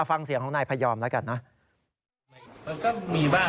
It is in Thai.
ฟังเสียงของนายพยอมแล้วกันนะ